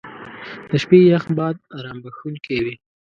• د شپې یخ باد ارام بخښونکی وي.